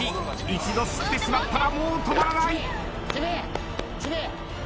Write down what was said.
一度知ってしまったらもう止まらない。